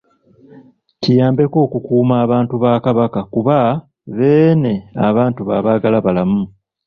Kiyambeko okukuuma abantu ba Kabaka kuba Beene abantu be abaagala balamu.